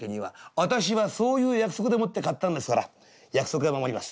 「あたしはそういう約束でもって買ったんですから約束は守ります。